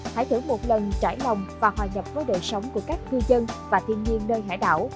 hãy thử một lần trải lòng và hòa nhập với đời sống của các cư dân và thiên nhiên nơi hải đảo